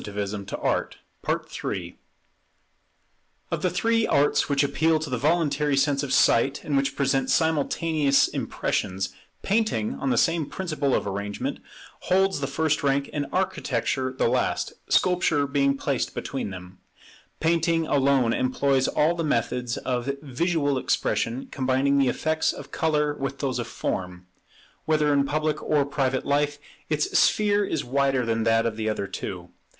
[Painting Sculpture Architecture] Of the three arts which appeal to the voluntary sense of sight, and which present simultaneous impressions, Painting, on the same principle of arrangement, holds the first rank, and Architecture the last; Sculpture being placed between them. Painting alone employs all the methods of visual expression, combining the effects of colour with those of form. Whether in public or private life, its sphere is wider than that of the other two.